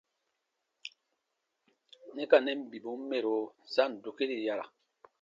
Nɛ ka nɛn bibun mɛro sa ǹ dukiri yara.